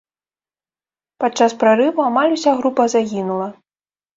Падчас прарыву амаль уся група загінула.